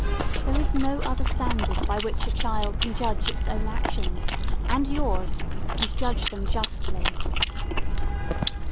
There is no other standard by which a child can judge its own actions, and yours, and judge them justly.